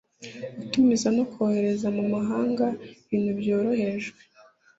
Gutumiza no kohereza mu mahanga ibintu byarorohejwe